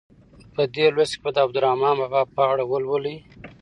په دې لوست کې به د عبدالرحمان بابا په اړه ولولئ.